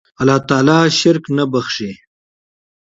الله تعالی شرک نه بخښي